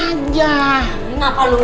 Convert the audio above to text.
aduh kenapa lu